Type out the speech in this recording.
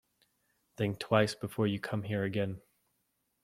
Think twice before you come here again.